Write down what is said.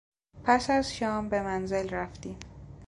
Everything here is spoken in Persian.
پس از شام به منزل رفتیم.